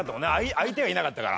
相手がいなかったから。